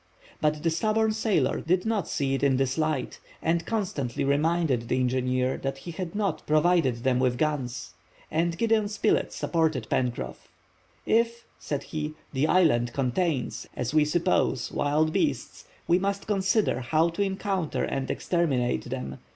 But the stubborn sailor did not see it in this light, and constantly reminded the engineer that he had not provided them with guns; and Gideon Spilett supported Pencroff. "If," said he, "the island contains, as we suppose, wild beasts, we must consider how to encounter and exterminate them.